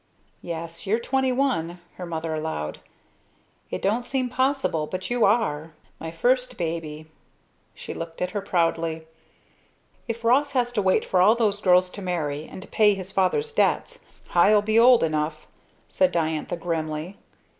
"Yes, you're twenty one," her mother allowed. "It don't seem possible, but you are. My first baby!" she looked at her proudly. "If Ross has to wait for all those girls to marry and to pay his father's debts I'll be old enough," said Diantha grimly.